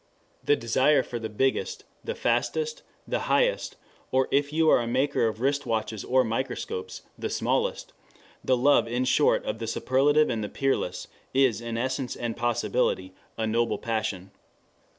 The desire for the biggest, the fastest, the highest, or if you are a maker of wristwatches or microscopes the smallest; the love in short of the superlative and the "peerless," is in essence and possibility a noble passion.